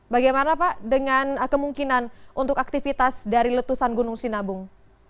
bagaimana pak dengan kemungkinan untuk aktivitas dari letusan gunung sinabung